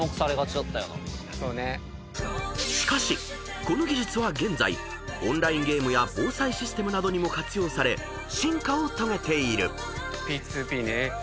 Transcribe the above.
［しかしこの技術は現在オンラインゲームや防災システムなどにも活用され進化を遂げている］